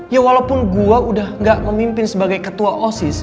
ya walaupun gua udah gak memimpin sebagai ketua osis